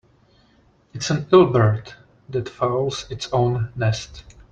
It's an ill bird that fouls its own nest.